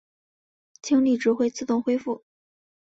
精力值会自动恢复。